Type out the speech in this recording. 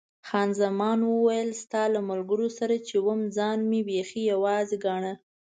خان زمان وویل، ستا له ملګرو سره چې وم ځان مې بیخي یوازې ګاڼه.